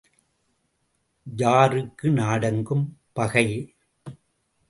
ஜாருக்கு நாடெங்கும் பகை.